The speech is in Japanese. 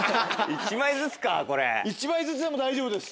１枚ずつでも大丈夫です。